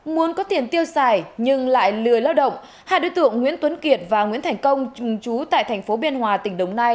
muốn có tiền tiêu xài nhưng lại lười lao động hai đối tượng nguyễn tuấn kiệt và nguyễn thành công chú tại thành phố biên hòa tỉnh đồng nai